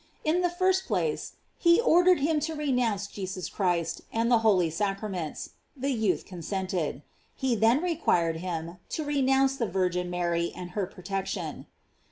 In the first place, he ordered him to renounce Jesus Christ and the holy sacra ments. The youth consented. He then requir ed him to renounce the Virgin Mary and her protection.